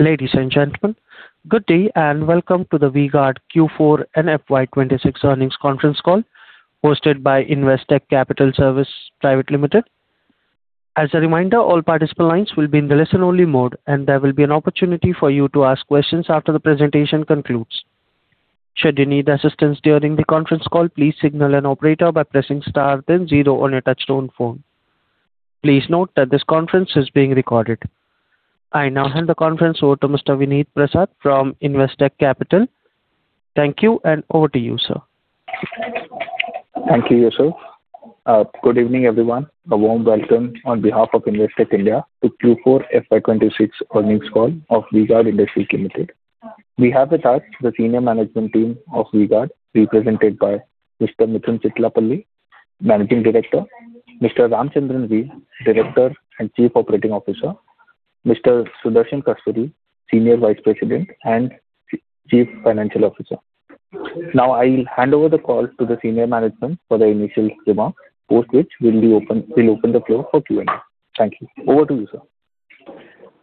Ladies and gentlemen, good day and welcome to the V-Guard Q4 and FY 2026 Earnings Conference Call hosted by Investec Capital Services Private Limited. As a reminder, all participant lines will be in the listen only mode, and there will be an opportunity for you to ask questions after the presentation concludes. Should you need assistance during the conference call, please signal an operator by pressing star then zero on your touchtone phone. Please note that this conference is being recorded. I now hand the conference over to Mr. Vineet Prasad from Investec Capital. Thank you and over to you, sir. Thank you, Yusuf. Good evening, everyone. A warm welcome on behalf of Investec India to Q4 FY 2026 Earnings Call of V-Guard Industries Limited. We have with us the senior management team of V-Guard, represented by Mr. Mithun K Chittilappilly, Managing Director, Mr. Ramachandran V, Director and Chief Operating Officer, Mr. Sudarshan Kasturi, Senior Vice President and Chief Financial Officer. Now I'll hand over the call to the senior management for the initial remarks, post which we'll open the floor for Q&A. Thank you. Over to you, sir.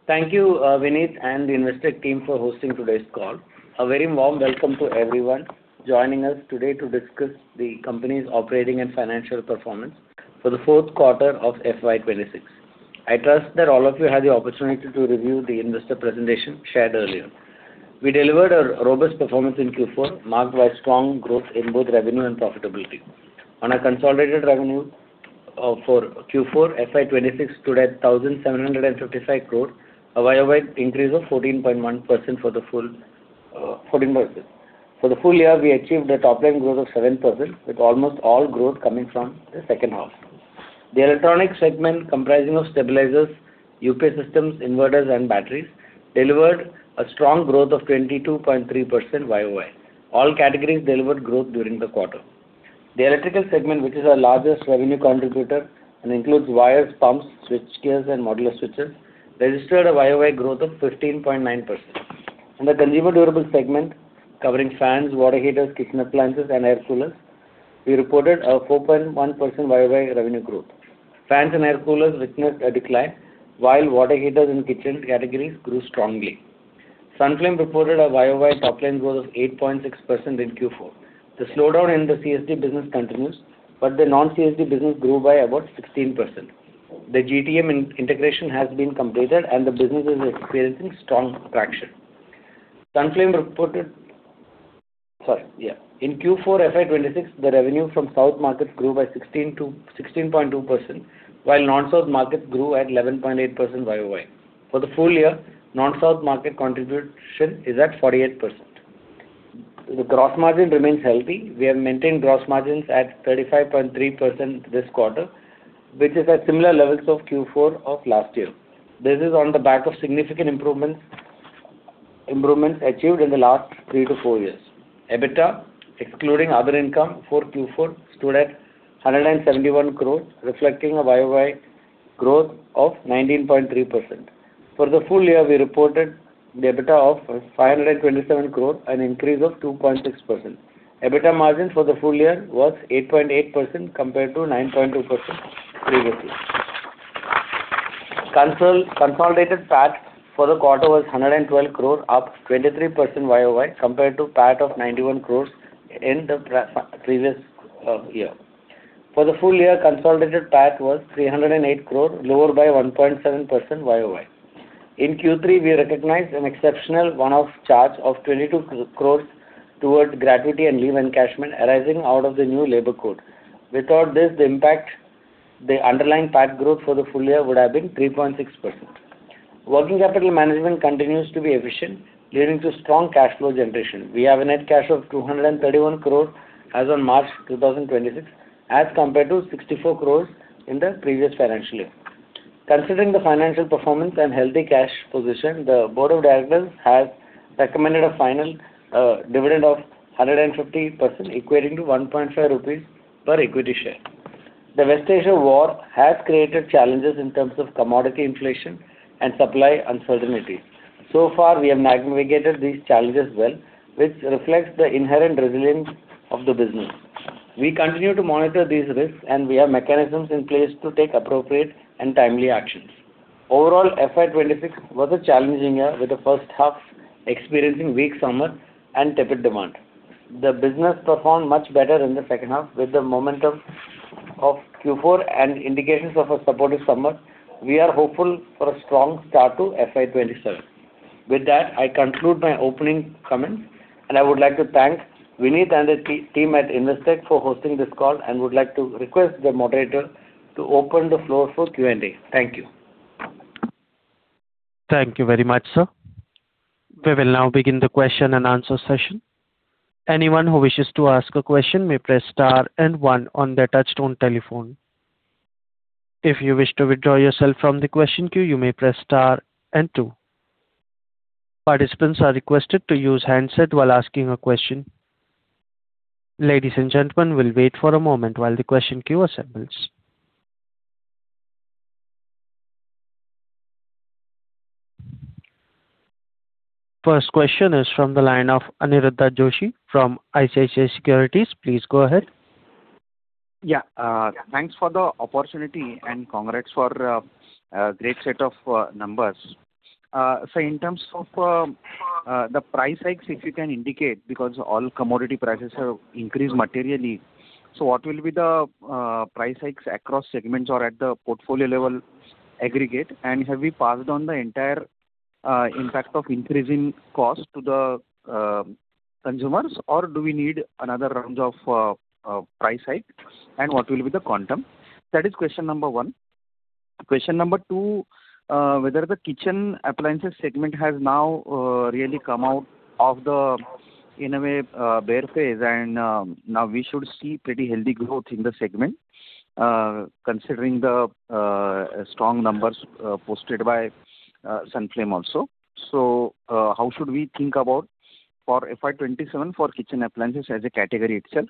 Thank you, Vineet and the Investec team for hosting today's call. A very warm welcome to everyone joining us today to discuss the company's operating and financial performance for the fourth quarter of FY 2026. I trust that all of you had the opportunity to review the investor presentation shared earlier. We delivered a robust performance in Q4, marked by strong growth in both revenue and profitability. On our consolidated revenue for Q4 FY 2026 stood at 1,755 crore, a YoY increase of 14.1% for the full, 14%. For the full year, we achieved a top line growth of 7%, with almost all growth coming from the second half. The Electronic segment comprising of Stabilizers, UPS Systems, Inverters, and Batteries delivered a strong growth of 22.3% YoY. All categories delivered growth during the quarter. The Electrical segment, which is our largest revenue contributor and includes Wires, Pumps, Switchgears, and Modular Switches, registered a YoY growth of 15.9%. In the Consumer Durable segment covering Fans, Water Heaters, Kitchen Appliances, and Air Coolers, we reported a 4.1% YoY revenue growth. Fans and Air Coolers witnessed a decline, while Water Heaters and Kitchen categories grew strongly. Sunflame reported a YoY top line growth of 8.6% in Q4. The slowdown in the CSD business continues, but the non-CSD business grew by about 16%. The GTM in-integration has been completed, and the business is experiencing strong traction. Sunflame reported Sorry. Yeah. In Q4 FY 2026, the revenue from South markets grew by 16.2%, while non-South markets grew at 11.8% YoY. For the full year, non-South market contribution is at 48%. The gross margin remains healthy. We have maintained gross margins at 35.3% this quarter, which is at similar levels of Q4 of last year. This is on the back of significant improvements achieved in the last three to four years. EBITDA, excluding other income for Q4, stood at 171 crore, reflecting a YoY growth of 19.3%. For the full year, we reported the EBITDA of 527 crore, an increase of 2.6%. EBITDA margin for the full year was 8.8% compared to 9.2% previously. Consolidated PAT for the quarter was 112 crore, up 23% YoY compared to PAT of 91 crore in the pre-previous year. For the full year, consolidated PAT was 308 crore, lower by 1.7% YoY. In Q3, we recognized an exceptional one-off charge of 22 crore towards gratuity and leave encashment arising out of the new labor code. Without this, the impact, the underlying PAT growth for the full year would have been 3.6%. Working capital management continues to be efficient, leading to strong cash flow generation. We have a net cash of INR 231 crore as on March 2026, as compared to INR 64 crore in the previous financial year. Considering the financial performance and healthy cash position, the Board of Directors has recommended a final dividend of 150%, equating to 1.5 per equity share. The West Asia war has created challenges in terms of commodity inflation and supply uncertainty. So far, we have navigated these challenges well, which reflects the inherent resilience of the business. We continue to monitor these risks, and we have mechanisms in place to take appropriate and timely actions. Overall, FY 2026 was a challenging year, with the first half experiencing weak summer and tepid demand. The business performed much better in the second half. With the momentum of Q4 and indications of a supportive summer, we are hopeful for a strong start to FY 2027. With that, I conclude my opening comments, and I would like to thank Vineet and the team at Investec for hosting this call and would like to request the moderator to open the floor for Q&A. Thank you. Thank you very much, sir. We will now begin the question and answer session. First question is from the line of Aniruddha Joshi from ICICI Securities. Please go ahead. Yeah. Thanks for the opportunity and congrats for a great set of numbers. In terms of the price hikes, if you can indicate, because all commodity prices have increased materially. What will be the price hikes across segments or at the portfolio level aggregate? Have you passed on the entire impact of increase in cost to the consumers? Or do we need another round of price hike? What will be the quantum? That is question one. Question two, whether the Kitchen Appliances segment has now really come out of the, in a way, bear phase and now we should see pretty healthy growth in the segment, considering the strong numbers posted by Sunflame also. How should we think about for FY 2027 for Kitchen Appliances as a category itself?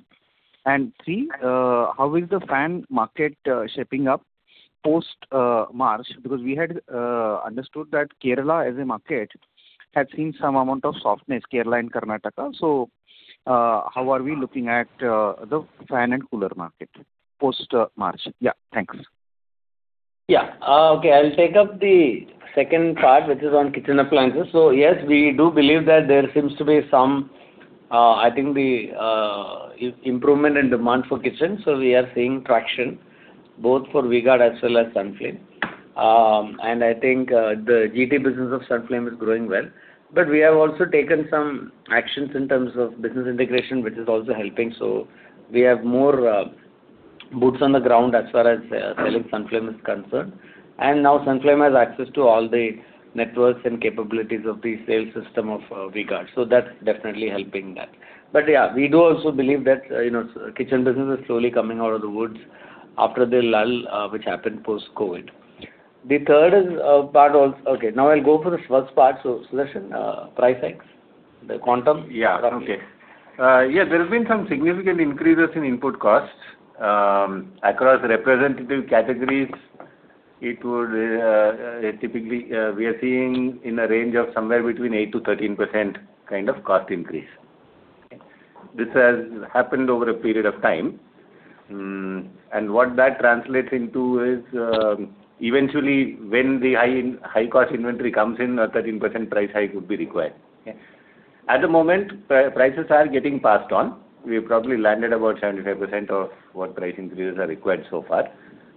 Three, how is the Fan market shaping up post March? Because we had understood that Kerala as a market has seen some amount of softness, Kerala and Karnataka. How are we looking at the Fan and cooler market post March? Yeah. Thanks. Yeah. Okay, I'll take up the second part, which is on Kitchen Appliances. Yes, we do believe that there seems to be some, I think the improvement in demand for Kitchen. We are seeing traction both for V-Guard as well as Sunflame. I think the GT business of Sunflame is growing well. We have also taken some actions in terms of business integration, which is also helping. We have more boots on the ground as far as selling Sunflame is concerned. Now Sunflame has access to all the networks and capabilities of the sales system of V-Guard. That's definitely helping that. Yeah, we do also believe that, you know, Kitchen business is slowly coming out of the woods after the lull which happened post-COVID. The third is. Okay, now I'll go for the first part. Sudarshan, price hikes, the quantum? Yeah. Okay. Yeah, there have been some significant increases in input costs across representative categories. It would typically, we are seeing in a range of somewhere between 8%-13% kind of cost increase. This has happened over a period of time. What that translates into is eventually when the high cost inventory comes in, a 13% price hike would be required. Okay. At the moment, prices are getting passed on. We've probably landed about 75% of what price increases are required so far.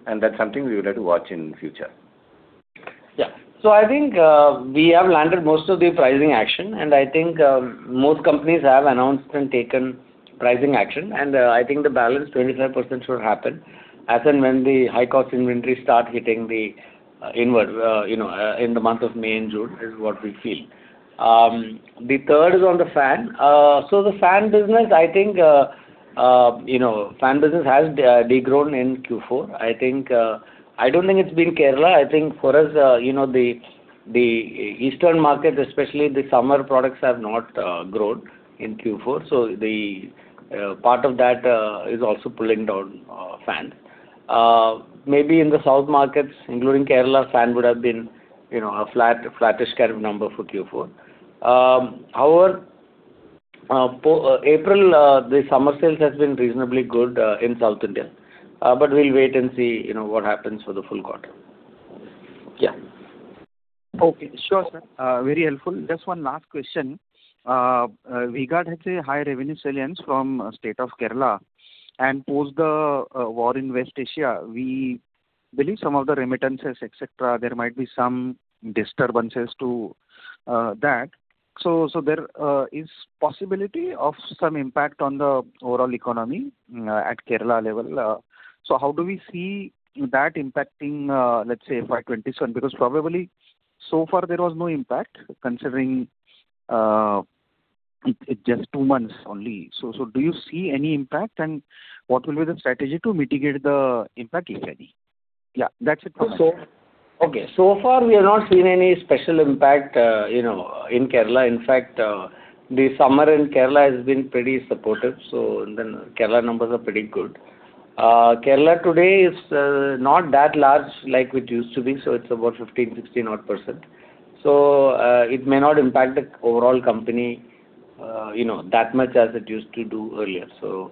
That's something we would have to watch in future. Yeah. I think, we have landed most of the pricing action, and I think, most companies have announced and taken pricing action. I think the balance 25% should happen as and when the high cost inventory start hitting the inward, you know, in the month of May and June, is what we feel. The third is on the Fan. The Fan business, I think, you know, Fan business has de-grown in Q4. I think, I don't think it's been Kerala. I think for us, you know, the eastern markets, especially the summer products, have not grown in Q4. The part of that is also pulling down Fan. Maybe in the South markets, including Kerala, Fan would have been, you know, a flattish kind of number for Q4. However, April, the summer sales has been reasonably good in South India. We'll wait and see, you know, what happens for the full quarter. Okay. Sure, sir. Very helpful. Just one last question. V-Guard has a high revenue salience from state of Kerala. Post the war in West Asia, we believe some of the remittances, et cetera, there might be some disturbances to that. There is possibility of some impact on the overall economy at Kerala level. How do we see that impacting, let's say FY 2027? Because probably so far there was no impact considering it just two months only. Do you see any impact? What will be the strategy to mitigate the impact, if any? Yeah, that's it for me. Okay, so far we have not seen any special impact, you know, in Kerala. In fact, the summer in Kerala has been pretty supportive, Kerala numbers are pretty good. Kerala today is not that large like it used to be, so it's about 15%, 16% odd. It may not impact the overall company, you know, that much as it used to do earlier. So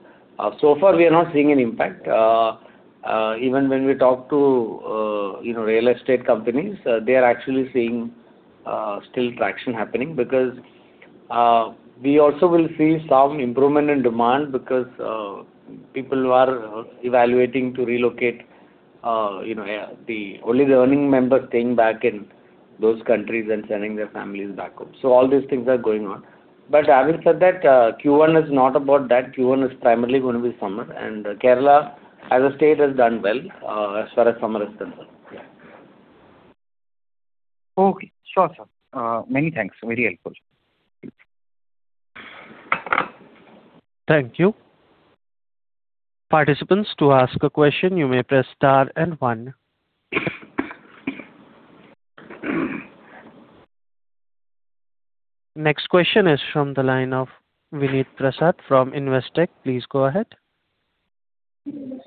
far we are not seeing an impact. Even when we talk to, you know, real estate companies, they are actually seeing still traction happening because we also will see some improvement in demand because people who are evaluating to relocate, you know, the only earning member staying back in those countries and sending their families back home. All these things are going on. Having said that, Q1 is not about that. Q1 is primarily gonna be summer, and Kerala as a state has done well, as far as summer is concerned. Yeah. Okay. Sure, sir. Many thanks. Very helpful. Thank you. Participants, to ask a question, you may press star and one. Next question is from the line of Vineet Prasad from Investec. Please go ahead.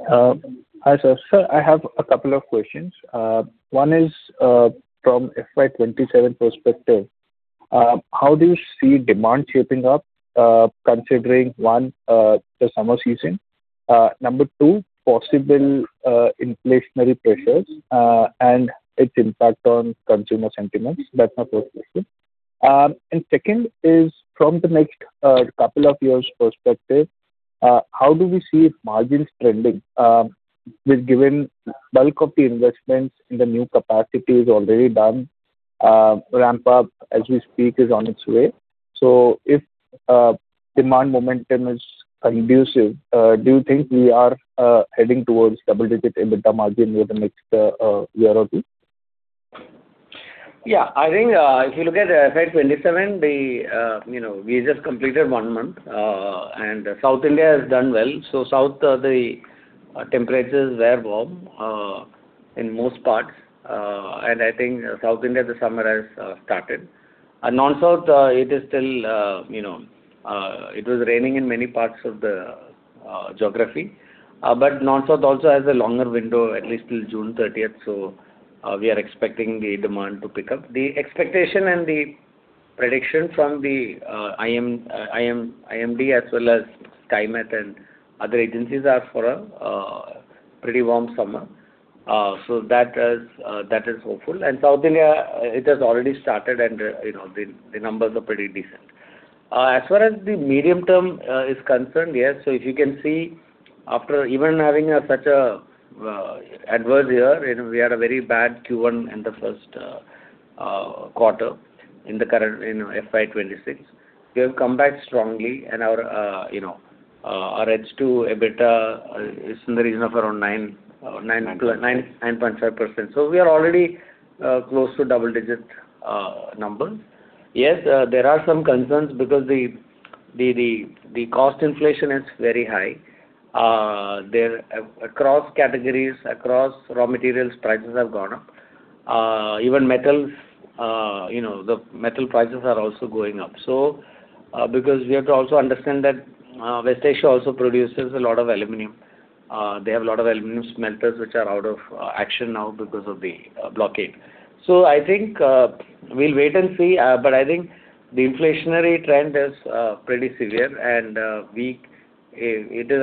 Hi, sir. Sir, I have a couple of questions. One is, from FY27 perspective. How do you see demand shaping up, considering one, the summer season, number two, possible inflationary pressures, and its impact on consumer sentiments? That's my first question. Second is from the next couple of years perspective, how do we see margins trending? With given bulk of the investments in the new capacity is already done, ramp up as we speak is on its way. If demand momentum is conducive, do you think we are heading towards double-digit EBITDA margin over the next year or two? Yeah. I think, if you look at FY 2027, we, you know, we just completed one month. South India has done well. South, the temperatures were warm in most parts. I think South India, the summer has started. North India, it is still, you know, it was raining in many parts of the geography. North India also has a longer window at least till June 30th. We are expecting the demand to pick up. The expectation and the prediction from the IMD as well as Skymet and other agencies are for a pretty warm summer. That is hopeful. South India, it has already started. You know, the numbers are pretty decent. As far as the medium term is concerned, yes. If you can see after even having a such a adverse year, you know, we had a very bad Q1 in the first quarter in the current, you know, FY 2026. We have come back strongly and our edge to EBITDA is in the region of around 9%. 9.5%. We are already close to double digit numbers. Yes, there are some concerns because the cost inflation is very high. Across categories, across raw materials, prices have gone up. Even metals, you know, the metal prices are also going up. Because we have to also understand that West Asia also produces a lot of aluminum. They have a lot of aluminum smelters which are out of action now because of the blockade. I think we'll wait and see. I think the inflationary trend is pretty severe and we, it is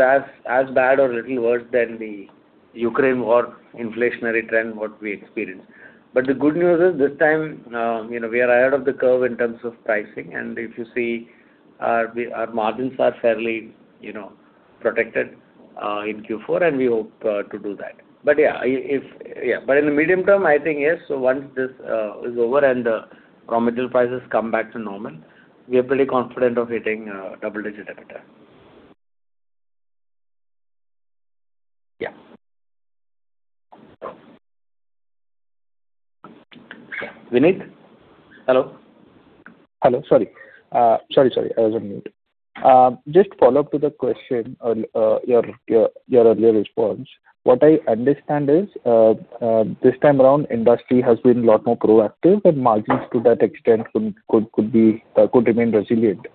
as bad or little worse than the Ukraine war inflationary trend, what we experienced. The good news is this time, you know, we are ahead of the curve in terms of pricing. If you see our margins are fairly, you know, protected, in Q4, and we hope to do that. Yeah, if, yeah. In the medium term, I think yes. Once this is over and the raw material prices come back to normal, we are pretty confident of hitting double digit EBITDA. Yeah. Vineet? Hello? Hello. Sorry. I was on mute. Just follow-up to the question your earlier response. What I understand is, this time around industry has been a lot more proactive, and margins to that extent could be, could remain resilient.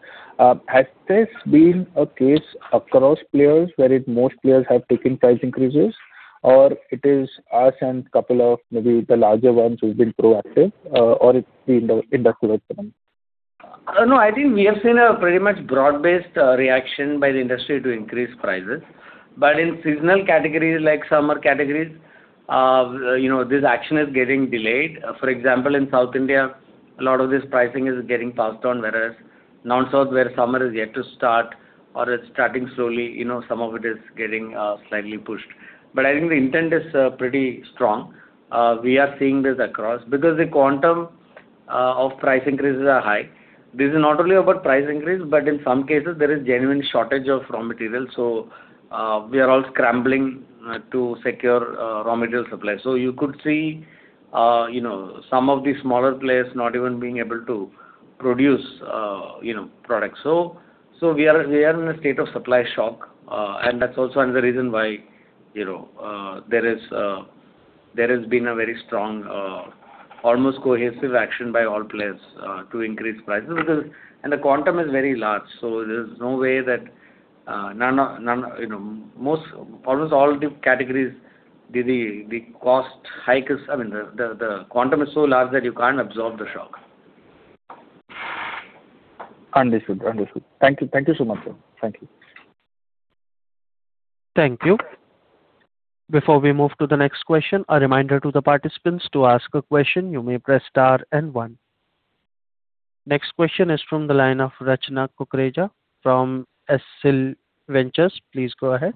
Has this been a case across players where if most players have taken price increases or it is us and couple of maybe the larger ones who've been proactive, or it's the industrial trend? No, I think we have seen a pretty much broad-based reaction by the industry to increase prices. In seasonal categories like summer categories, you know, this action is getting delayed. For example, in South India, a lot of this pricing is getting passed on, whereas North India, where summer is yet to start or it's starting slowly, you know, some of it is getting slightly pushed. I think the intent is pretty strong. We are seeing this across because the quantum of price increases are high. This is not only about price increase, but in some cases there is genuine shortage of raw materials. We are all scrambling to secure raw material supply. You could see, you know, some of the smaller players not even being able to produce, you know, products. We are in a state of supply shock. That's also another reason why, you know, there is there has been a very strong, almost cohesive action by all players to increase prices because the quantum is very large, so there's no way that none, you know, most, almost all the categories, the cost hike is I mean, the quantum is so large that you can't absorb the shock. Understood. Understood. Thank you. Thank you so much, sir. Thank you. Thank you. Before we move to the next question, a reminder to the participants, to ask a question, you may press star one. Next question is from the line of Rachna Kukreja from ASCIL Ventures. Please go ahead.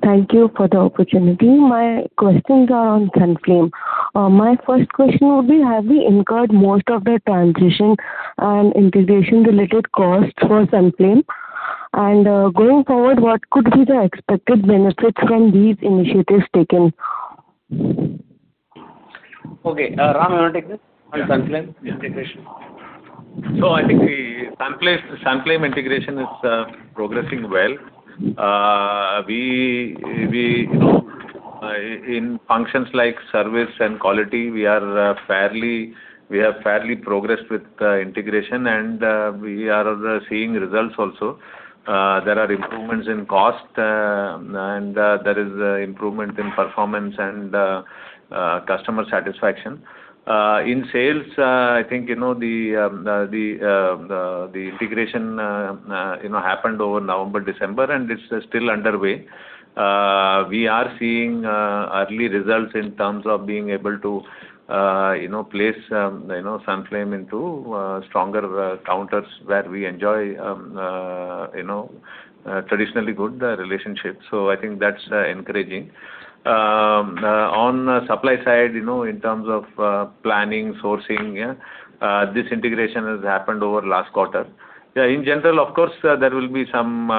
Thank you for the opportunity. My questions are on Sunflame. My first question would be, have we incurred most of the transition and integration related costs for Sunflame? Going forward, what could be the expected benefits from these initiatives taken? Okay. Ram, you want to take this? Yeah. On Sunflame integration. I think the Sunflame integration is progressing well. We, you know, in functions like service and quality, we have fairly progressed with the integration and we are seeing results also. There are improvements in cost, and there is improvement in performance and customer satisfaction. In sales, I think, you know, the integration, you know, happened over November, December, and it's still underway. We are seeing early results in terms of being able to, you know, place, you know, Sunflame into stronger counters where we enjoy, you know, traditionally good relationships. I think that's encouraging. On supply side, you know, in terms of planning, sourcing, this integration has happened over last quarter. In general, of course, there will be some,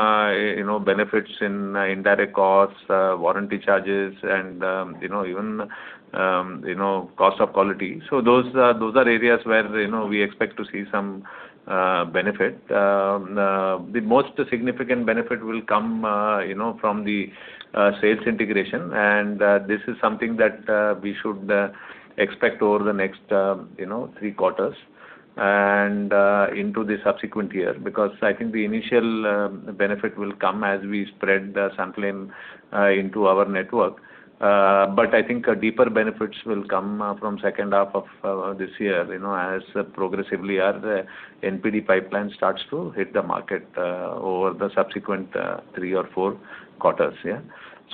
you know, benefits in indirect costs, warranty charges and, you know, even, you know, cost of quality. Those are, those are areas where, you know, we expect to see some benefit. The most significant benefit will come, you know, from the sales integration. This is something that we should expect over the next, you know, three quarters and into the subsequent year. I think the initial benefit will come as we spread Sunflame into our network. I think deeper benefits will come from second half of this year, you know, as progressively our NPD pipeline starts to hit the market over the subsequent three or four quarters.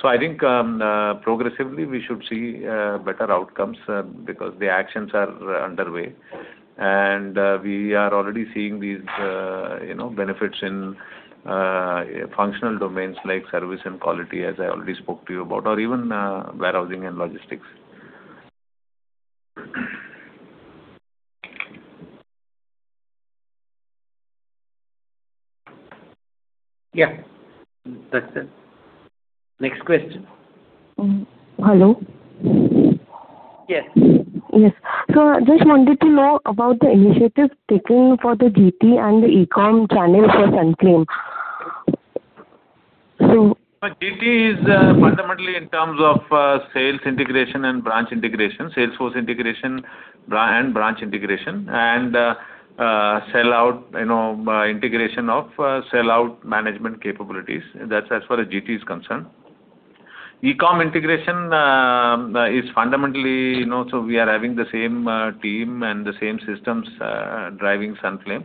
I think progressively we should see better outcomes because the actions are underway. We are already seeing these, you know, benefits in functional domains like service and quality, as I already spoke to you about, or even warehousing and logistics. Yeah. That's it. Next question. Hello? Yes. Yes. I just wanted to know about the initiatives taken for the GT and the eCom channel for Sunflame. GT is fundamentally in terms of sales integration and branch integration, sales force integration and branch integration, and sellout, you know, integration of sellout management capabilities. That's as far as GT is concerned. eCom integration, you know, we are having the same team and the same systems driving Sunflame.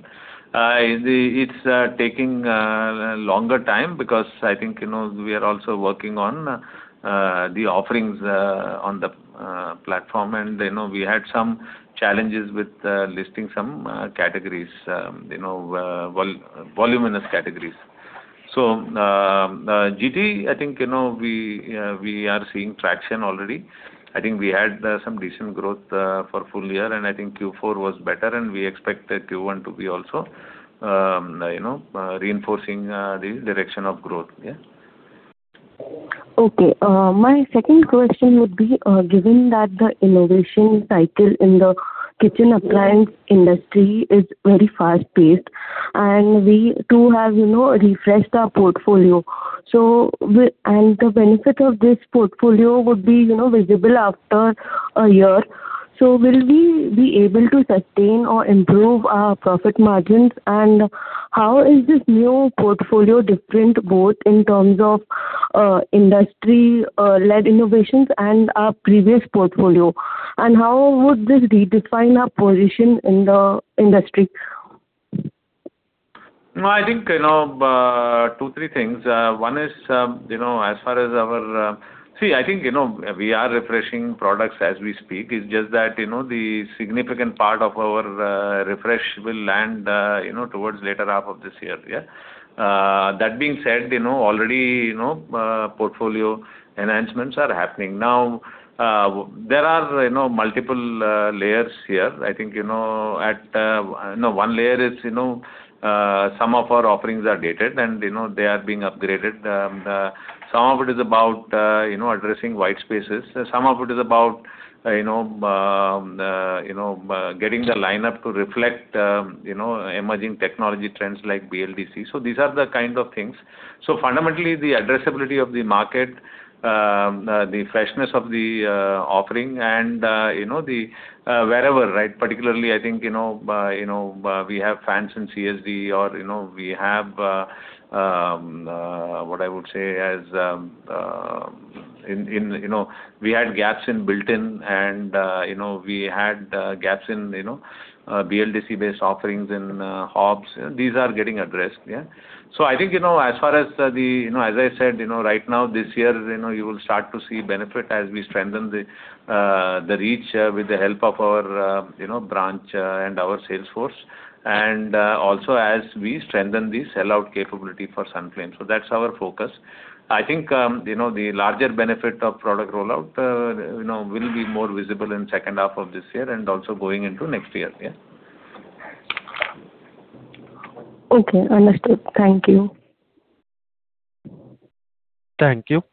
It's taking longer time because I think, you know, we are also working on the offerings on the platform. You know, we had some challenges with listing some categories, you know, voluminous categories. GT, I think, you know, we are seeing traction already. I think we had some decent growth for full year, and I think Q4 was better, and we expect the Q1 to be also, you know, reinforcing the direction of growth. Yeah. Okay, my second question would be, given that the innovation cycle in the Kitchen Appliance industry is very fast-paced, and we too have, you know, refreshed our portfolio. The benefit of this portfolio would be, you know, visible after a year. Will we be able to sustain or improve our profit margins? How is this new portfolio different, both in terms of, industry, led innovations and our previous portfolio? How would this redefine our position in the industry? No, I think, you know, two, three things. One is, you know, as far as our See, I think, you know, we are refreshing products as we speak. It's just that, you know, the significant part of our refresh will land, you know, towards later half of this year. Yeah. That being said, you know, already, you know, portfolio enhancements are happening. Now, there are, you know, multiple layers here. I think, you know, at No, one layer is, you know, some of our offerings are dated and, you know, they are being upgraded. Some of it is about, you know, addressing white spaces. Some of it is about, you know, getting the lineup to reflect, you know, emerging technology trends like BLDC. These are the kind of things. Fundamentally, the addressability of the market, the freshness of the offering and, you know, the wherever, right? Particularly I think, you know, we have Fans in CSD or, you know, we have what I would say as, We had gaps in built-in and, you know, we had gaps in, you know, BLDC-based offerings in hobs. These are getting addressed. Yeah. I think, you know, as far as the, you know, as I said, you know, right now, this year, you know, you will start to see benefit as we strengthen the reach with the help of our, you know, branch and our sales force, and also as we strengthen the sellout capability for Sunflame. That's our focus. I think, you know, the larger benefit of product rollout, you know, will be more visible in second half of this year and also going into next year. Yeah. Okay. Understood. Thank you. Thank you.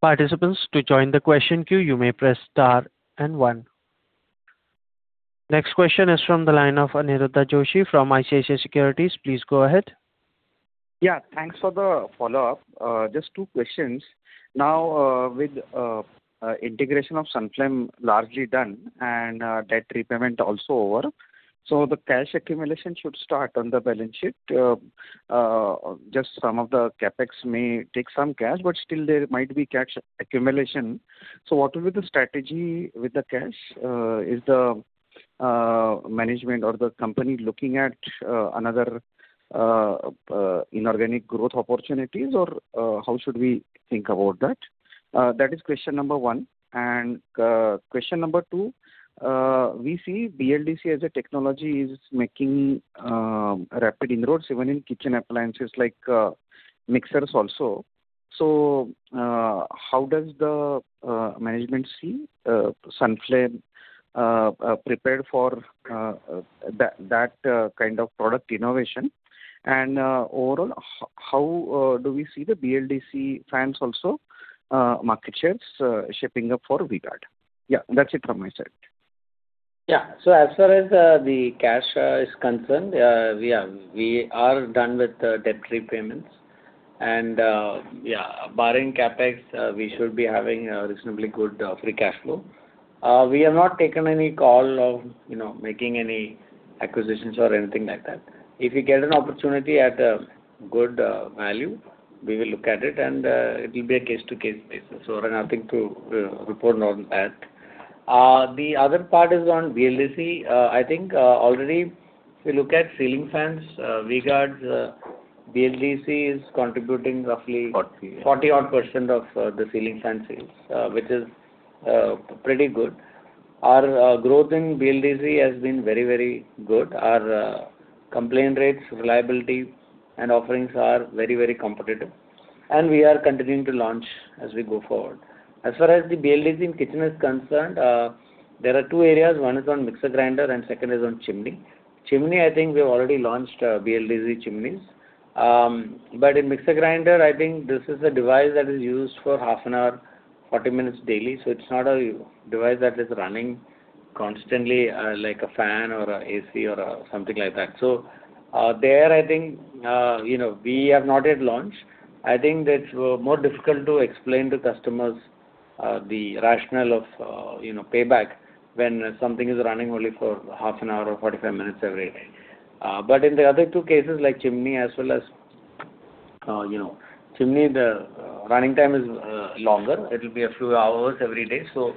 Participants, to join the question queue, you may press star and one. Next question is from the line of Aniruddha Joshi from ICICI Securities. Please go ahead. Yeah, thanks for the follow-up. Just two questions. Now, with integration of Sunflame largely done and debt repayment also over, the cash accumulation should start on the balance sheet. Just some of the CapEx may take some cash, still there might be cash accumulation. What will be the strategy with the cash? Is the management or the company looking at another inorganic growth opportunities, or how should we think about that? That is question number one. Question number two, we see BLDC as a technology is making rapid inroads even in Kitchen Appliances like mixers also. How does the management see Sunflame prepared for that kind of product innovation? Overall, how do we see the BLDC Fans also, market shares, shaping up for V-Guard? Yeah, that's it from my side. Yeah. As far as the cash is concerned, we are done with debt repayments and, yeah, barring CapEx, we should be having a reasonably good free cash flow. We have not taken any call of, you know, making any acquisitions or anything like that. If we get an opportunity at a good value, we will look at it and it will be a case-to-case basis. Ramachandran, to report on that. The other part is on BLDC. I think already if you look at Ceiling Fans, V-Guard's BLDC is contributing roughly- 40%. 40% odd of the Ceiling Fan sales, which is pretty good. Our growth in BLDC has been very, very good. Our complaint rates, reliability and offerings are very, very competitive, and we are continuing to launch as we go forward. As far as the BLDC in Kitchen is concerned, there are two areas. One is on mixer grinder and second is on Chimney. Chimney, I think we've already launched BLDC Chimneys. In mixer grinder, I think this is a device that is used for half an hour, 40 minutes daily, so it's not a device that is running constantly, like a fan or a AC or something like that. There, I think, you know, we have not yet launched. I think that's more difficult to explain to customers, the rationale of, you know, payback when something is running only for half an hour or 45 minutes every day. But in the other two cases, like Chimney as well as, you know, Chimney, the running time is longer. It'll be a few hours every day, so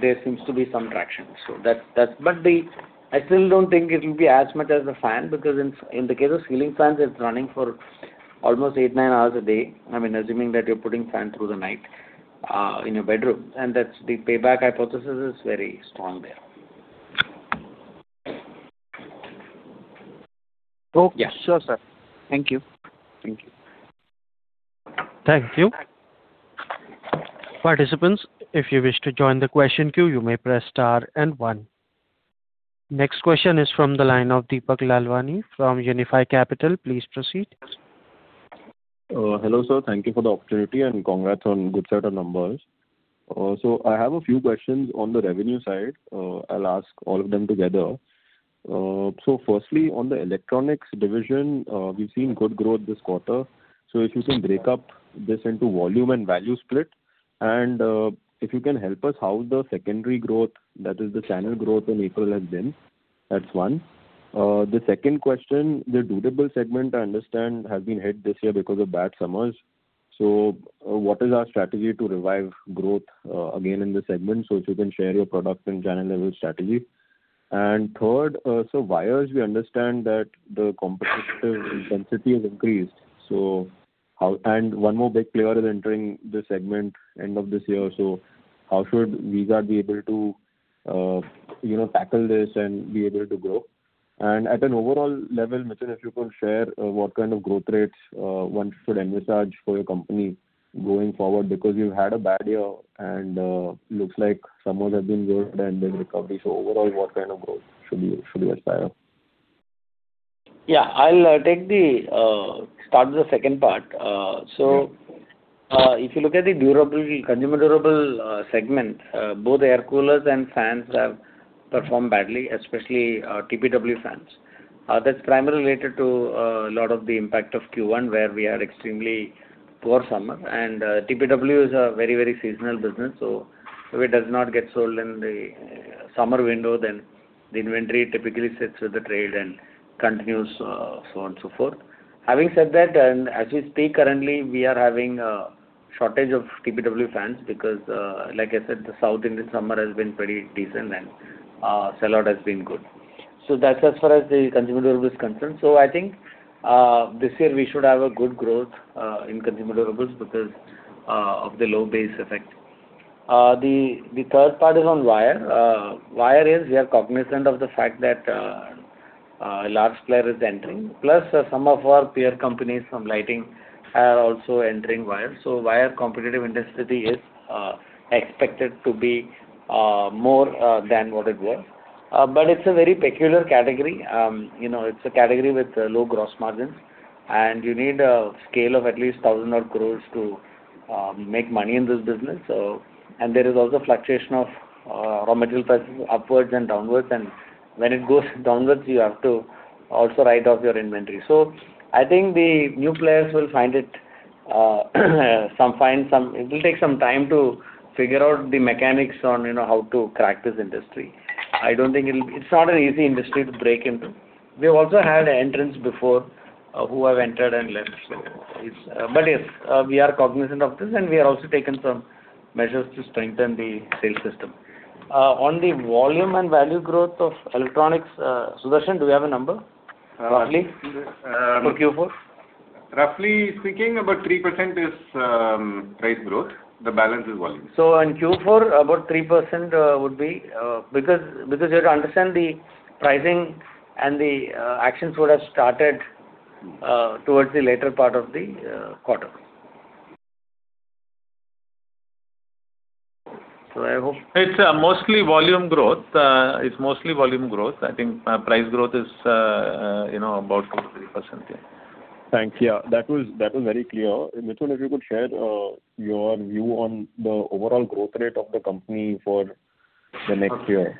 there seems to be some traction. That's But I still don't think it will be as much as the fan, because in the case of ceiling fans, it's running for almost eight, nine hours a day, I mean, assuming that you're putting fan through the night, in your bedroom, and that's the payback hypothesis is very strong there. Okay. Yeah. Sure, sir. Thank you.. Thank you. Participants, if you wish to join the question queue, you may press star and one. Next question is from the line of Deepak Lalwani from Unifi Capital. Please proceed. Hello, sir. Thank you for the opportunity, and congrats on good set of numbers. I have a few questions on the revenue side. I'll ask all of them together. Firstly, on the Electronics division, we've seen good growth this quarter. If you can break up this into volume and value split, and if you can help us how the secondary growth, that is the channel growth in April has been. That's one. The second question, the Durable segment, I understand, has been hit this year because of bad summers. What is our strategy to revive growth again in this segment? If you can share your product and channel level strategy. Third, wires, we understand that the competitive intensity has increased. One more big player is entering this segment end of this year, so how should V-Guard be able to, you know, tackle this and be able to grow? At an overall level, Mithun, if you could share what kind of growth rates one should envisage for your company going forward, because you've had a bad year and looks like summers have been good and there's recovery. Overall, what kind of growth should we aspire? Yeah. I'll take the start with the second part. Yeah. If you look at the durable, consumer durable, segment, both Air Coolers and Fans have performed badly, especially TPW Fans. That's primarily related to a lot of the impact of Q1, where we had extremely poor summer. TPW is a very, very seasonal business, so if it does not get sold in the summer window, then the inventory typically sits with the trade and continues so on and so forth. Having said that, as we speak currently, we are having a shortage of TPW Fans because, like I said, the South Indian summer has been pretty decent and sellout has been good. That's as far as the Consumer Durable is concerned. I think this year we should have a good growth in Consumer Durables because of the low base effect. The third part is on wire. Wire is, we are cognizant of the fact that a large player is entering, plus some of our peer companies from lighting are also entering wire. Wire competitive intensity is expected to be more than what it was. It's a very peculiar category. You know, it's a category with low gross margins, and you need a scale of at least 1,000 crore to make money in this business. There is also fluctuation of raw material prices upwards and downwards. When it goes downwards, you have to also write off your inventory. I think the new players will find it. It will take some time to figure out the mechanics on, you know, how to crack this industry. It's not an easy industry to break into. We have also had entrants before, who have entered and left. Yes, we are cognizant of this, and we are also taking some measures to strengthen the sales system. On the volume and value growth of Electronics, Sudarshan, do we have a number roughly? Uh- for Q4? Roughly speaking, about 3% is price growth. The balance is volume. In Q4, about 3%, would be, because you have to understand the pricing and the actions would have started, towards the later part of the quarter. It's mostly volume growth. I think price growth is, you know, about 2%-3%. Yeah. Thanks. Yeah. That was very clear. Mithun, if you could share your view on the overall growth rate of the company for the next year.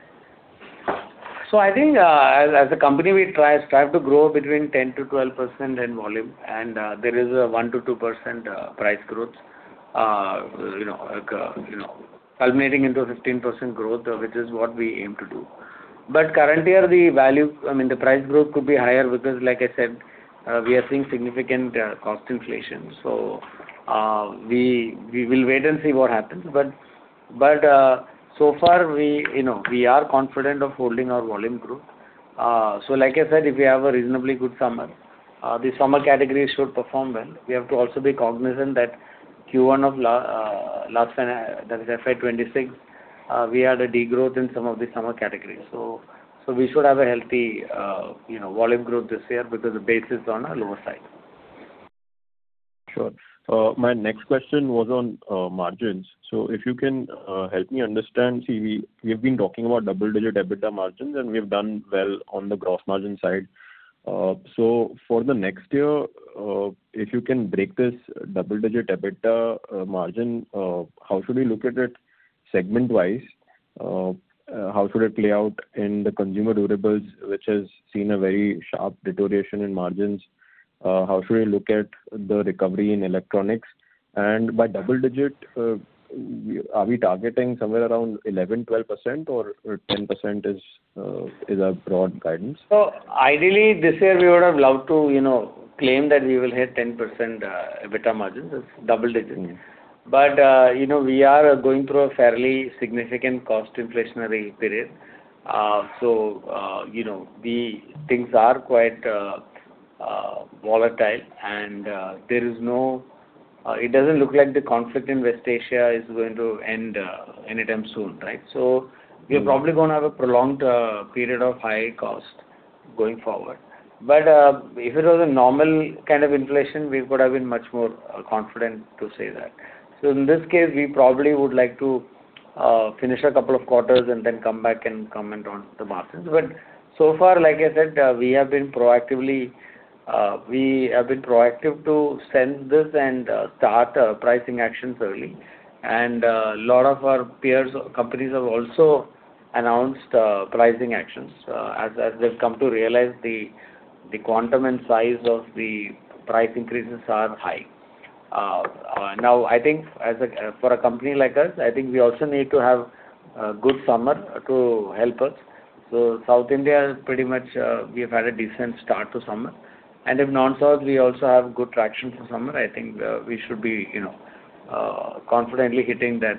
I think, as a company, we strive to grow between 10%-12% in volume, and there is a 1%-2% price growth. You know, like, you know, culminating into a 15% growth, which is what we aim to do. Currently, I mean, the price growth could be higher because, like I said, we are seeing significant cost inflation. We will wait and see what happens. But, so far, you know, we are confident of holding our volume growth. Like I said, if we have a reasonably good summer, the summer category should perform well. We have to also be cognizant that Q1 of FY2026, we had a degrowth in some of the summer categories. We should have a healthy, you know, volume growth this year because the base is on a lower side. Sure. My next question was on margins. If you can help me understand. See, we've been talking about double-digit EBITDA margins, and we've done well on the gross margin side. For the next year, if you can break this double-digit EBITDA margin, how should we look at it segment-wise? How should it play out in the consumer durables, which has seen a very sharp deterioration in margins? How should we look at the recovery in Electronics? By double digit, are we targeting somewhere around 11%, 12% or 10% is our broad guidance? Ideally, this year we would have loved to, you know, claim that we will hit 10% EBITDA margins. That's double digits. You know, we are going through a fairly significant cost inflationary period. You know, the things are quite volatile and there is no, it doesn't look like the conflict in West Asia is going to end anytime soon, right? We're probably gonna have a prolonged period of high cost going forward. If it was a normal kind of inflation, we could have been much more confident to say that. In this case, we probably would like to finish a couple of quarters and then come back and comment on the margins. So far, like I said, we have been proactively, we have been proactive to sense this and start pricing actions early. A lot of our peers or companies have also announced pricing actions as they've come to realize the quantum and size of the price increases are high. Now, I think for a company like us, I think we also need to have a good summer to help us. South India is pretty much, we have had a decent start to summer. If non-South we also have good traction for summer, I think, we should be, you know, confidently hitting that,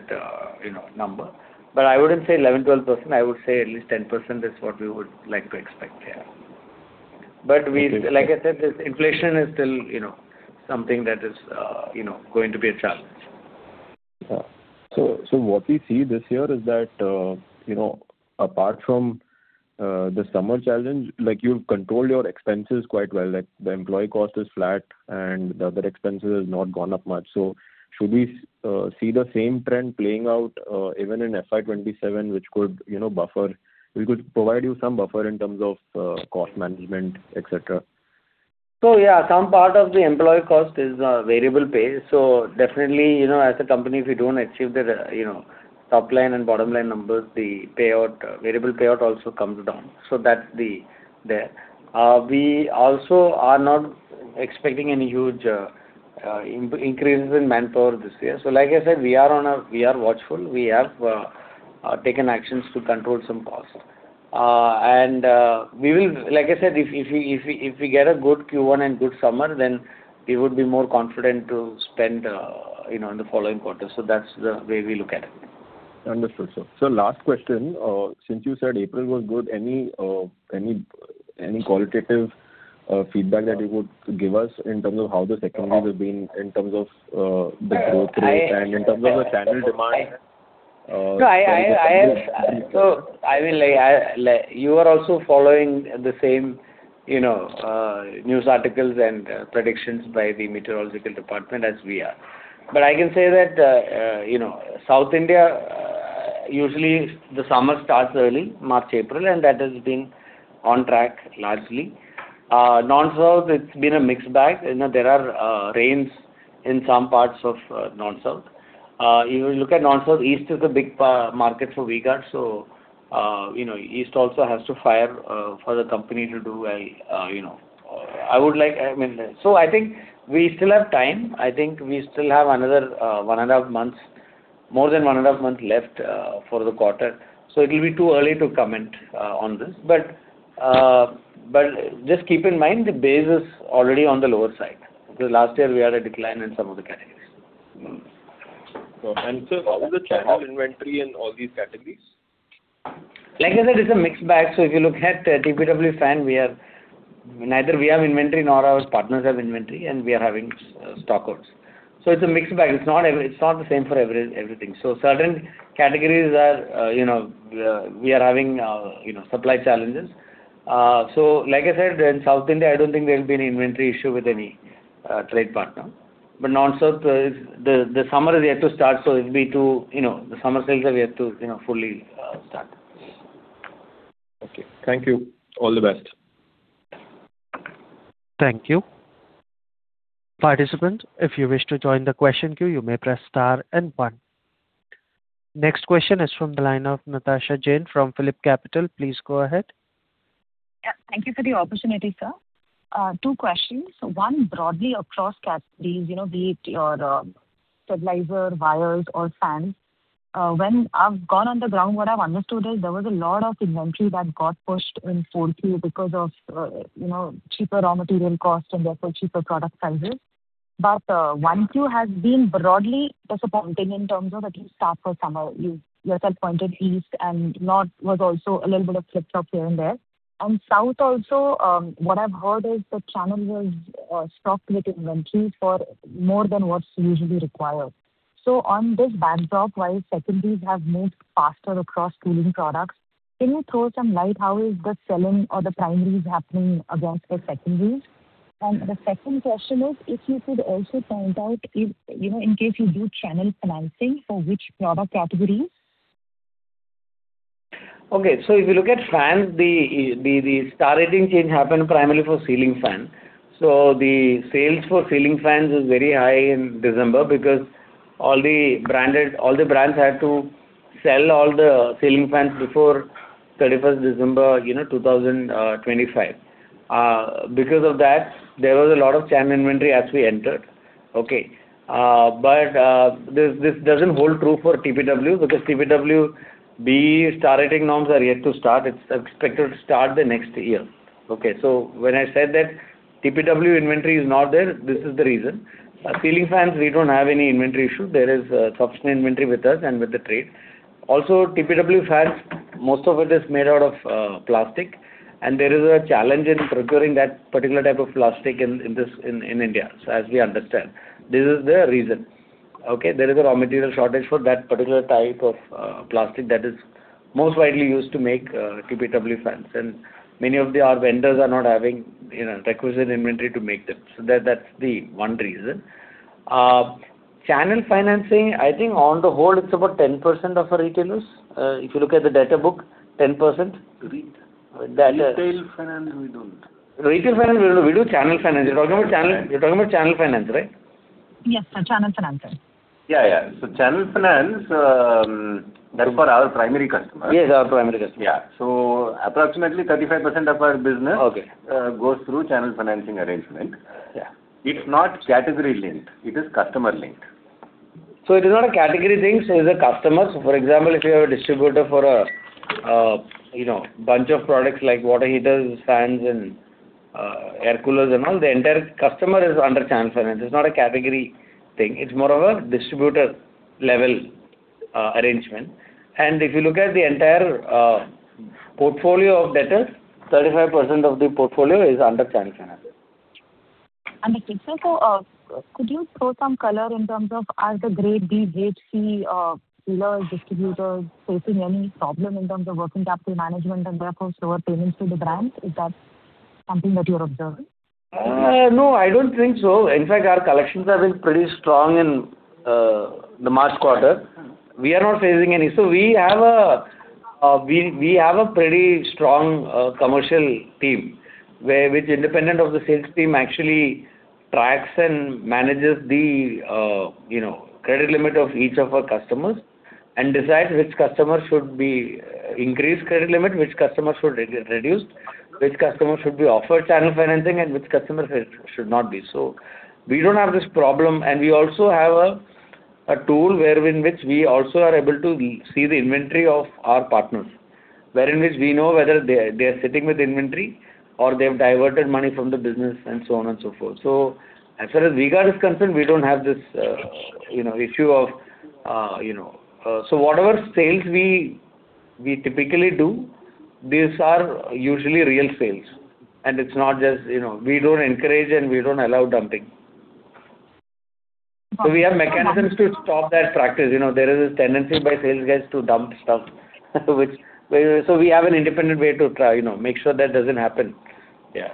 you know, number. I wouldn't say 11%-12%. I would say at least 10% is what we would like to expect. Yeah. Okay. Like I said, this inflation is still, you know, something that is, you know, going to be a challenge. What we see this year is that, you know, apart from the summer challenge, you've controlled your expenses quite well. The employee cost is flat and the other expenses has not gone up much. Should we see the same trend playing out even in FY2027, which could, you know, provide you some buffer in terms of cost management, et cetera? Yeah, some part of the employee cost is variable pay. Definitely, you know, as a company, if you don't achieve the, you know, top line and bottom line numbers, the payout, variable payout also comes down. That's the there. We also are not expecting any huge increase in manpower this year. Like I said, we are watchful. We have taken actions to control some costs. We will Like I said, if we get a good Q1 and good summer, then we would be more confident to spend, you know, in the following quarters. That's the way we look at it. Understood, sir. Last question. Since you said April was good, any qualitative feedback that you would give us in terms of how this economy will be in terms of the growth rate and in terms of the channel demand? No, I have. You are also following the same, you know, news articles and predictions by the Meteorological Department as we are. I can say that, you know, South India, usually the summer starts early, March, April, and that has been on track largely. North India it's been a mixed bag. You know, there are rains in some parts of North India. If you look at North India, East is a big market for V-Guard, so, you know, East also has to fire for the company to do well. You know, I would like I mean, so I think we still have time. I think we still have another, one and a half months, more than one and a half months left, for the quarter, so it'll be too early to comment, on this. Just keep in mind the base is already on the lower side because last year we had a decline in some of the categories. How is the channel inventory in all these categories? Like I said, it's a mixed bag. If you look at TPW Fan, neither we have inventory nor our partners have inventory, and we are having stockouts. It's a mixed bag. It's not the same for everything. Certain categories are, you know, we are having, you know, supply challenges. Like I said, in South India, I don't think there'll be any inventory issue with any trade partner. North India is the summer is yet to start. You know, the summer sales are yet to, you know, fully start. Okay. Thank you. All the best. Thank you. Participants, if you wish to join the question queue, you may press star and one. Next question is from the line of Natasha Jain from PhillipCapital. Please go ahead. Thank you for the opportunity, sir. Two questions. One broadly across categories, you know, be it your Stabilizer, Wires or Fans. When I've gone on the ground, what I've understood is there was a lot of inventory that got pushed in because of, you know, cheaper raw material costs and therefore cheaper product prices. Q1 has been broadly disappointing in terms of at least south or you yourself pointed east and North India was also a little bit of flip-flop here and there. South also, what I've heard is the channel was stockpiling inventory for more than what's usually required. On this backdrop, while secondaries have moved faster across cooling products, can you throw some light how is the selling or the primaries happening against the secondaries? The second question is if you could also point out if, you know, in case you do channel financing for which product categories? Okay. If you look at Fans, the star rating change happened primarily for Ceiling Fan. The sales for Ceiling Fans is very high in December because all the brands had to sell all the Ceiling Fans before December 31st, you know, 2025. Because of that, there was a lot of channel inventory as we entered. Okay. But this doesn't hold true for TPW because TPW, the star rating norms are yet to start. It's expected to start the next year. Okay. When I said that TPW inventory is not there, this is the reason. Ceiling Fans we don't have any inventory issue. There is sufficient inventory with us and with the trade. Also, TPW Fans, most of it is made out of plastic and there is a challenge in procuring that particular type of plastic in India, so as we understand. This is the reason. Okay. There is a raw material shortage for that particular type of plastic that is most widely used to make TPW Fans, and many of our vendors are not having, you know, requisite inventory to make them. That's the one reason. Channel financing, I think on the whole it's about 10% of our retailers. If you look at the data book, 10%. Retail. The other- Retail finance we don't. Retail finance we don't. We do channel finance. You're talking about channel finance, right? Yes, sir. Channel finance, sir. Yeah, yeah. Channel finance, that's for our primary customers. Yes, our primary customers. Yeah. Approximately 35% of our business- Okay goes through channel financing arrangement. Yeah. It's not category linked. It is customer linked. It is not a category thing, it's a customer. For example, if you have a distributor for a, you know, bunch of products like water heaters, Fans and air coolers and all, the entire customer is under channel finance. It's not a category thing. It's more of a distributor level arrangement. If you look at the entire portfolio of debtors, 35% of the portfolio is under channel finance. Understood, sir. Could you throw some color in terms of are the grade B, HC dealers, distributors facing any problem in terms of working capital management and therefore slower payments to the brands? Is that something that you have observed? No, I don't think so. In fact, our collections have been pretty strong in the March quarter. We have a pretty strong commercial team where, which independent of the sales team actually tracks and manages the, you know, credit limit of each of our customers and decides which customer should be increased credit limit, which customer should re-reduce, which customer should be offered channel financing and which customer should not be. We don't have this problem, and we also have a tool wherein which we also are able to see the inventory of our partners, wherein which we know whether they are sitting with inventory or they have diverted money from the business and so on and so forth. As far as V-Guard is concerned, we don't have this issue. Whatever sales we typically do, these are usually real sales and it's not just, we don't encourage and we don't allow dumping. We have mechanisms to stop that practice. There is this tendency by sales guys to dump stuff. We have an independent way to try make sure that doesn't happen. Yeah.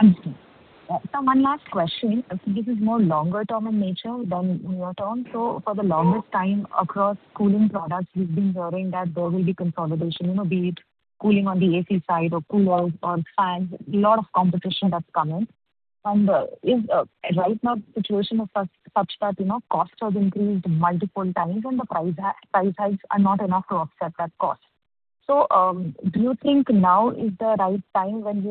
Understood. One last question. I think this is more longer term in nature than near term. For the longest time across cooling products, we've been hearing that there will be consolidation, you know, be it cooling on the AC side or cool out on Fans. A lot of competition that's come in. Right now the situation is such that, you know, costs have increased multiple times and the price hikes are not enough to offset that cost. Do you think now is the right time when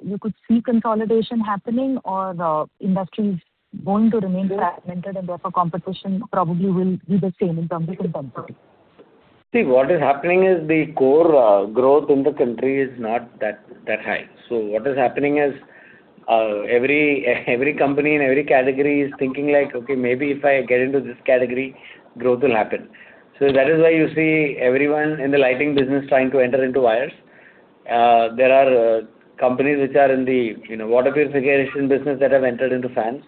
you could see consolidation happening or the industry is going to remain fragmented and therefore competition probably will be the same in terms of intensity? See, what is happening is the core growth in the country is not that high. What is happening is every company in every category is thinking like, "Okay, maybe if I get into this category, growth will happen." That is why you see everyone in the Lighting business trying to enter into Wires. There are companies which are in the, you know, water purification business that have entered into Fans.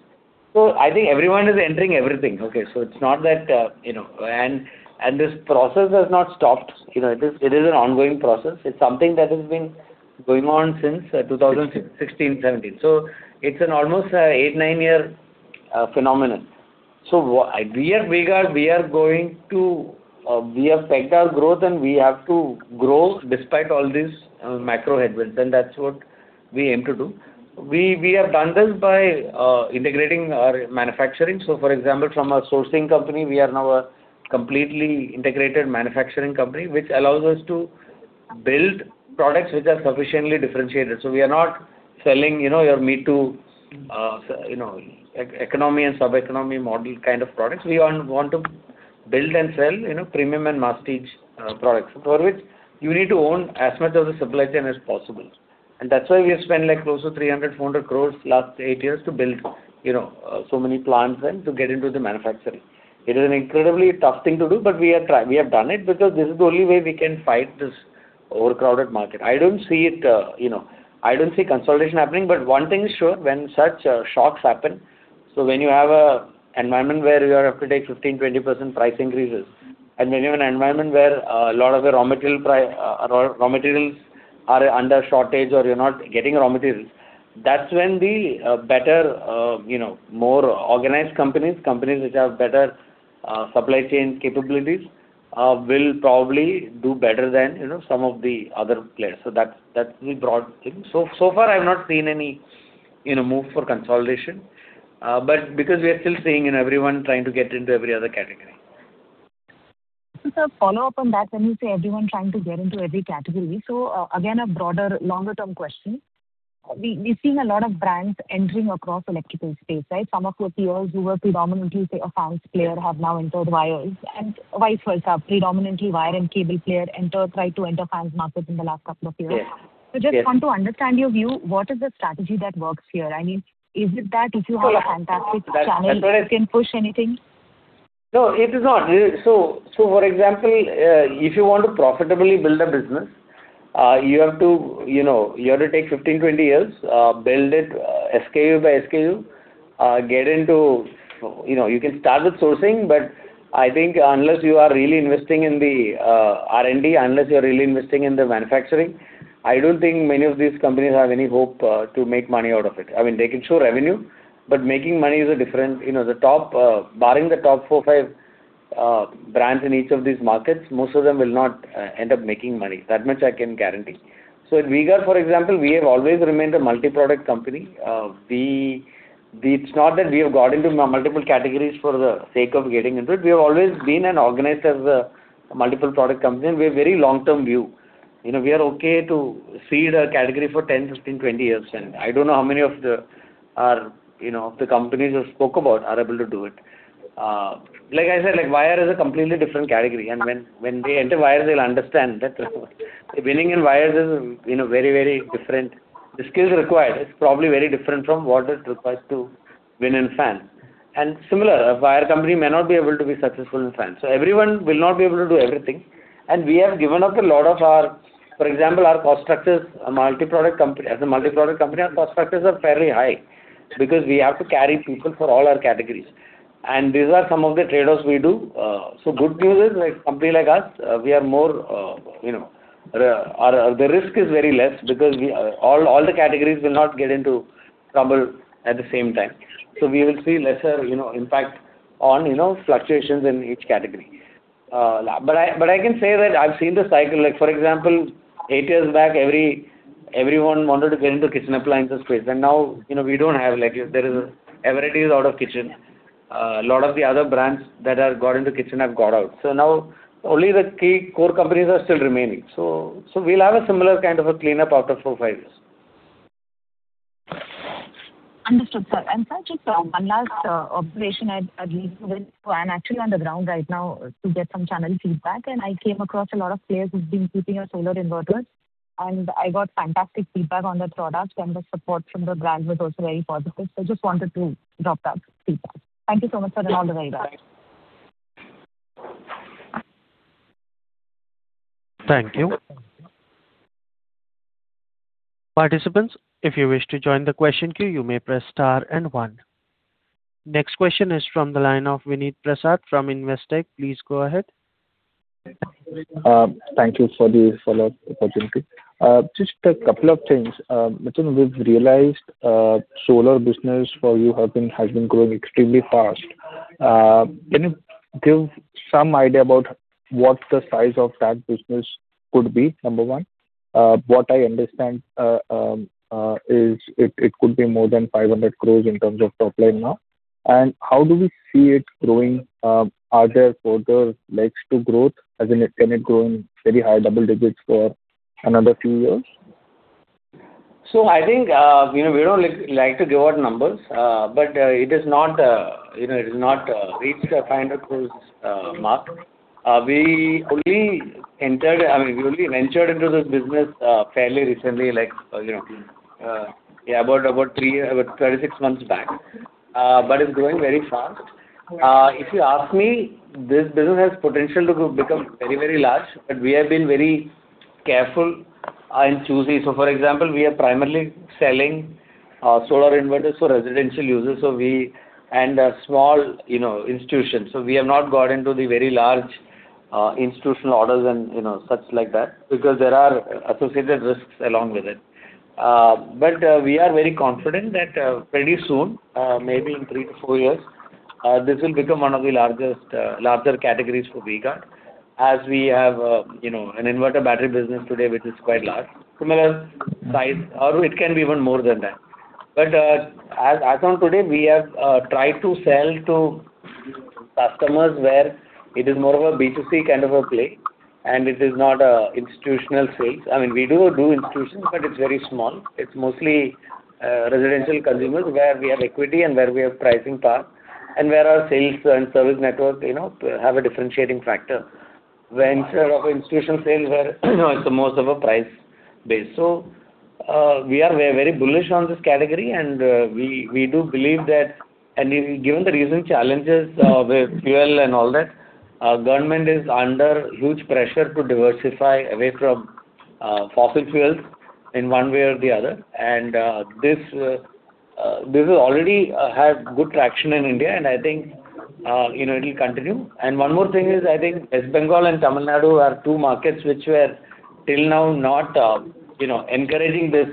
I think everyone is entering everything, okay? It's not that, you know, and this process has not stopped. You know, it is an ongoing process. It's something that has been going on since 2016/2017. It's an almost eight, nine-year phenomenon. We at V-Guard, we are going to, we have pegged our growth and we have to grow despite all these macro headwinds, and that's what we aim to do. We have done this by integrating our manufacturing. For example, from a sourcing company, we are now a completely integrated manufacturing company, which allows us to build products which are sufficiently differentiated. We are not selling, you know, your me too, e-economy and sub-economy model kind of products. We want to build and sell, you know, premium and masstige products, for which you need to own as much of the supply chain as possible. That's why we have spent like close to 300 crores-400 crores last eight years to build, you know, so many plants and to get into the manufacturing. It is an incredibly tough thing to do, but we have done it because this is the only way we can fight this overcrowded market. I don't see it, you know, I don't see consolidation happening. One thing is sure, when such shocks happen, when you have a environment where you have to take 15%, 20% price increases, and when you have an environment where a lot of the raw materials are under shortage or you're not getting raw materials, that's when the better, you know, more organized companies which have better supply chain capabilities will probably do better than, you know, some of the other players. That's, that's the broad thing. So far I've not seen any, you know, move for consolidation, but because we are still seeing, you know, everyone trying to get into every other category. Just a follow-up on that. When you say everyone trying to get into every category, again, a broader longer-term question. We've seen a lot of brands entering across Electrical space, right? Some of your peers who were predominantly, say, a Fans player have now entered wires and vice versa. Predominantly wire and cable player try to enter Fans markets in the last couple of years. Yes. Just want to understand your view, what is the strategy that works here? I mean, is it that if you have a Fantastic channel, you can push anything? No, it is not. For example, if you want to profitably build a business, you have to, you know, you have to take 15, 20 years, build it SKU by SKU, get into, you know, you can start with sourcing, but I think unless you are really investing in the R&D, unless you're really investing in the manufacturing, I don't think many of these companies have any hope to make money out of it. I mean, they can show revenue, but making money is a different, you know, the top, barring the top four, five brands in each of these markets, most of them will not end up making money. That much I can guarantee. At V-Guard, for example, we have always remained a multi-product company. It's not that we have got into multiple categories for the sake of getting into it. We have always been and organized as a multiple product company, we have very long-term view. You know, we are okay to cede a category for 10, 15, 20 years. I don't know how many of the, our, you know, of the companies you spoke about are able to do it. Like I said, like wire is a completely different category. When they enter wire, they'll understand that winning in wires is, you know, very different. The skills required is probably very different from what is required to win in Fan. Similar, a wire company may not be able to be successful in Fans. Everyone will not be able to do everything. For example, as a multi-product company, our cost structures are fairly high because we have to carry people for all our categories. These are some of the trade-offs we do. Good news is, like company like us, we are more, you know, our risk is very less because we all the categories will not get into trouble at the same time. We will see lesser, you know, impact on, you know, fluctuations in each category. But I can say that I've seen the cycle, like for example, eight years back, everyone wanted to get into Kitchen Appliances space, now, you know, everybody is out of Kitchen. A lot of the other brands that have got into Kitchen have got out. Now only the key core companies are still remaining. We'll have a similar kind of a cleanup after four, five years. Understood, sir. Sir, just one last observation I'd leave you with. I'm actually on the ground right now to get some channel feedback, and I came across a lot of players who've been keeping your Solar Inverters, and I got fantastic feedback on that product and the support from the brand was also very positive. I just wanted to drop that feedback. Thank you so much, sir, and all the very best. Thank you. Participants, if you wish to join the question queue, you may press star and one. Next question is from the line of Vineet Prasad from Investec. Please go ahead. Thank you for the follow-up opportunity. Just a couple of things. Mithun, we've realized, Solar business for you has been growing extremely fast. Can you give some idea about what the size of that business could be? Number one. What I understand, it could be more than 500 crores in terms of top line now. How do we see it growing, are there further legs to growth? As in, can it grow in very high double digits for another few years? I think, you know, we don't like to give out numbers, but it is not, you know, it has not reached the 500 crore mark. We only entered I mean, we only ventured into this business, fairly recently, like, you know, about three years about 36 months back. But it's growing very fast. If you ask me, this business has potential to become very, very large, but we have been very careful and choosy. For example, we are primarily selling Solar Inverters for residential users, so we and small, you know, institutions. We have not got into the very large institutional orders and, you know, such like that, because there are associated risks along with it. We are very confident that pretty soon, maybe in three to four years, this will become one of the largest, larger categories for V-Guard, as we have, you know, an inverter battery business today which is quite large. Similar size or it can be even more than that. As on today, we have tried to sell to customers where it is more of a B2C kind of a play, and it is not institutional sales. I mean, we do institutions, but it's very small. It's mostly residential consumers where we have equity and where we have pricing power and where our sales and service network, you know, have a differentiating factor, where instead of institutional sales where, you know, it's more of a price base. We are very bullish on this category, and we do believe that given the recent challenges with fuel and all that, government is under huge pressure to diversify away from fossil fuels in one way or the other. This already have good traction in India, and I think, you know, it'll continue. One more thing is, I think West Bengal and Tamil Nadu are two markets which were till now not, you know, encouraging this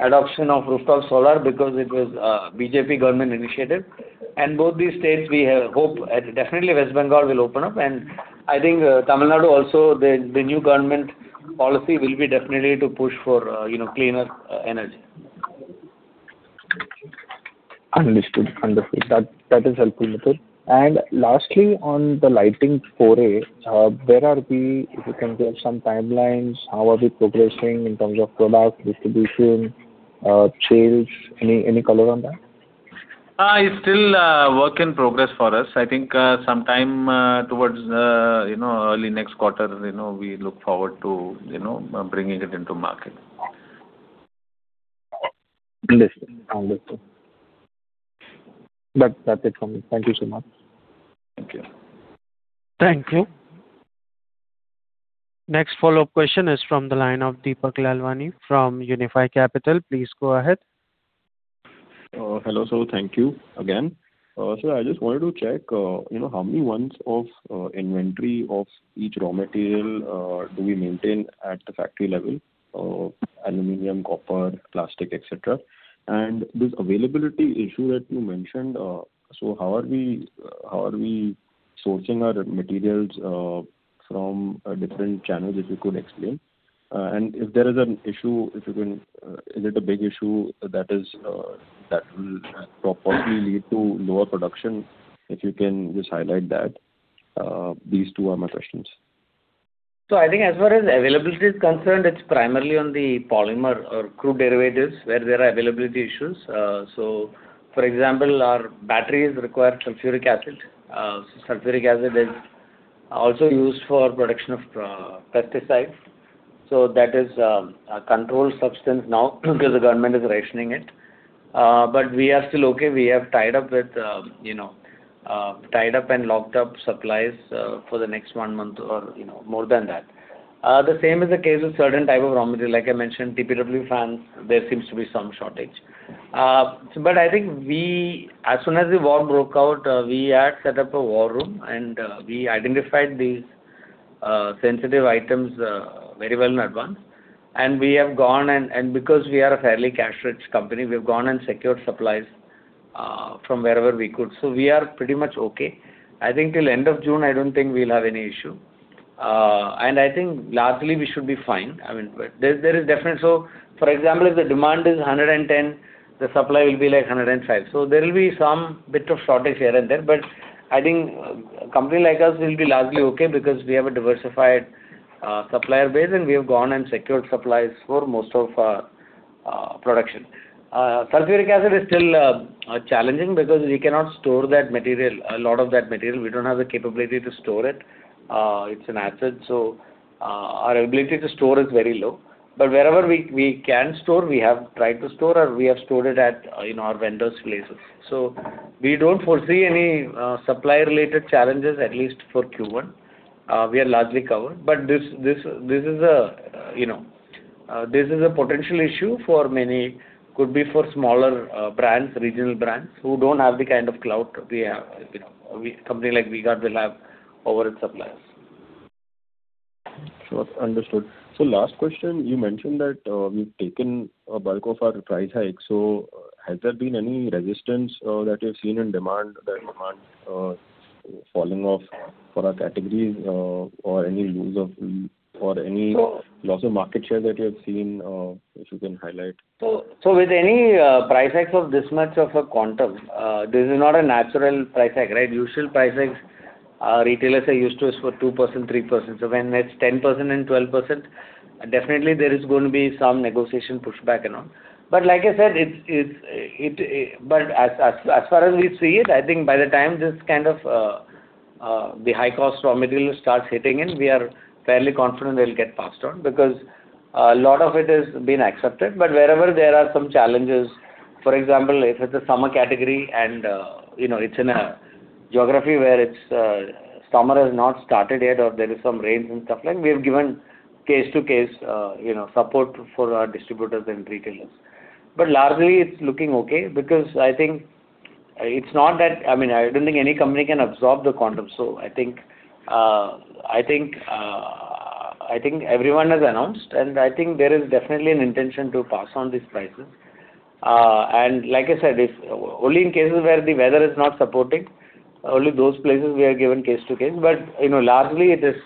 adoption of rooftop solar because it was a BJP government initiative. Both these states we have hope. Definitely West Bengal will open up, and I think Tamil Nadu also, the new government policy will be definitely to push for, you know, cleaner energy. Understood. Understood. That is helpful, Mithun. Lastly, on the lighting foray, where are we? If you can give some timelines, how are we progressing in terms of product distribution, sales? Any color on that? It's still work in progress for us. I think sometime towards early next quarter, we look forward to bringing it into market. Understood. Understood. That's it from me. Thank you so much. Thank you. Thank you. Next follow-up question is from the line of Deepak Lalwani from Unifi Capital. Please go ahead. Hello, sir. Thank you again. Sir, I just wanted to check, you know, how many months of inventory of each raw material do we maintain at the factory level? Aluminum, copper, plastic, et cetera. This availability issue that you mentioned, so how are we sourcing our materials from different channels, if you could explain? If there is an issue, is it a big issue that will proportionally lead to lower production? If you can just highlight that. These two are my questions. I think as far as availability is concerned, it's primarily on the polymer or crude derivatives where there are availability issues. For example, our batteries require sulfuric acid. Sulfuric acid is also used for production of pesticides. That is a controlled substance now because the government is rationing it. We are still okay. We have tied up with, you know, tied up and locked up supplies for the next one month or, you know, more than that. The same is the case with certain type of raw material. Like I mentioned, TPW Fans, there seems to be some shortage. I think we As soon as the war broke out, we had set up a war room and we identified these sensitive items very well in advance. We have gone and because we are a fairly cash-rich company, we've gone and secured supplies from wherever we could. We are pretty much okay. I think till end of June, I don't think we'll have any issue. I think largely we should be fine. I mean, there is definitely. For example, if the demand is 110, the supply will be like 105. There will be some bit of shortage here and there. I think a company like us will be largely okay because we have a diversified supplier base, and we have gone and secured supplies for most of our production. Sulfuric acid is still challenging because we cannot store that material, a lot of that material. We don't have the capability to store it. It's an acid, our ability to store is very low. Wherever we can store, we have tried to store or we have stored it at, in our vendors' places. We don't foresee any supply-related challenges, at least for Q1. We are largely covered. This is a, you know, potential issue for many. Could be for smaller brands, regional brands who don't have the kind of clout we have, you know. Company like V-Guard will have over its suppliers. Sure. Understood. Last question, you mentioned that we've taken a bulk of our price hike. Has there been any resistance that you've seen in demand, the demand falling off for our categories? Loss of market share that you have seen, which you can highlight? With any price hikes of this much of a quantum, this is not a natural price hike, right? Usual price hikes, our retailers are used to is for 2%, 3%. When it's 10% and 12%, definitely there is going to be some negotiation, pushback and all. Like I said, as far as we see it, I think by the time this kind of the high cost raw material starts hitting in, we are fairly confident they'll get passed on because a lot of it is being accepted. Wherever there are some challenges, for example, if it's a summer category and, you know, it's in a geography where it's, summer has not started yet or there is some rains and stuff like, we have given case to case, you know, support for our distributors and retailers. Largely it's looking okay because I think it's not that I mean, I don't think any company can absorb the quantum. I think everyone has announced, and I think there is definitely an intention to pass on these prices. Like I said, if only in cases where the weather is not supporting, only those places we are giving case to case. You know, largely it is,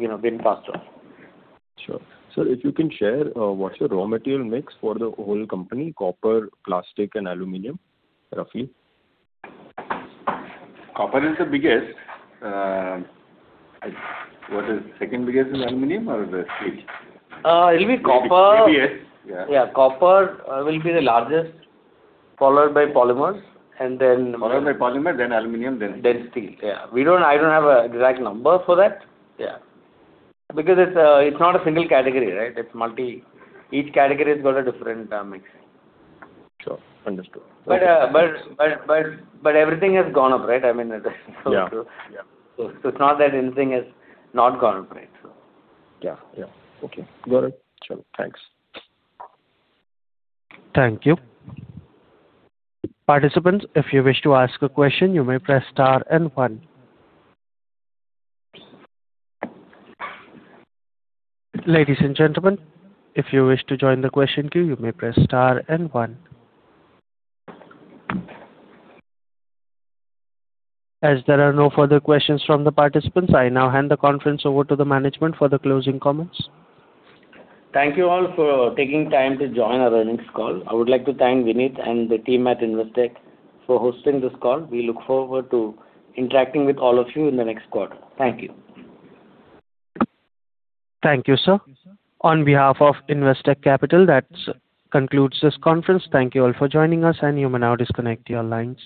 you know, being passed on. Sure. Sir, if you can share, what's your raw material mix for the whole company, copper, plastic and aluminum, roughly? Copper is the biggest. What is second biggest, is aluminum or the steel? It'll be copper. ABS. Yeah. Yeah. Copper will be the largest, followed by polymers and then. Followed by polymer, then aluminum, then steel. Steel. Yeah. I don't have a exact number for that. Yeah. It's, it's not a single category, right? It's multi. Each category has got a different mix. Sure. Understood. Everything has gone up, right? Yeah. Yeah. It's not that anything has not gone up, right? Yeah. Yeah. Okay. Got it. Sure. Thanks. Thank you. Participants, if you wish to ask a question, you may press star and one. Ladies and gentlemen, if you wish to join the question queue, you may press star and one. As there are no further questions from the participants, I now hand the conference over to the management for the closing comments. Thank you all for taking time to join our earnings call. I would like to thank Vineet and the team at Investec for hosting this call. We look forward to interacting with all of you in the next quarter. Thank you. Thank you, sir. On behalf of Investec Capital, that concludes this conference. Thank you all for joining us, and you may now disconnect your lines.